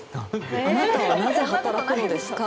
あなたはなぜ働くのですか？